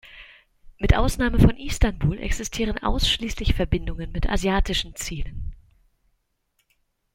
Mit Ausnahme von Istanbul existieren ausschließlich Verbindungen mit asiatischen Zielen.